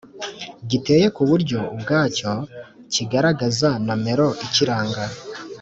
giteye ku buryo ubwacyo kigaragaza nomero ikiranga